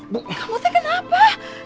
buka kamu teh kenapa